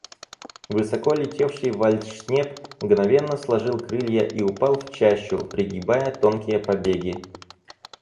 Высоко летевший вальдшнеп мгновенно сложил крылья и упал в чащу, пригибая тонкие побеги.